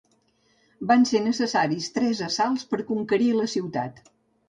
Van ser necessaris tres assalts per conquerir la ciutat.